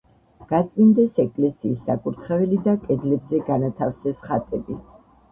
გაწმინდეს ეკლესიის საკურთხეველი და კედლებზე განათავსეს ხატები.